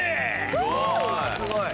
すごい！